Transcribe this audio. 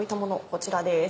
こちらです。